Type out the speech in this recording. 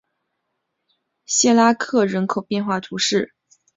谢拉克人口变化图示